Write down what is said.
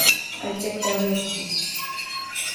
I checked our messages